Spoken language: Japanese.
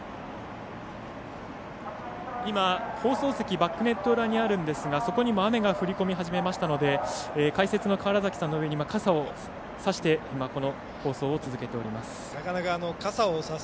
今、放送席バックネット裏にあるんですがそこにも雨が降りこみ始めましたので解説の川原崎さんの上に傘を差してこの放送を続けております。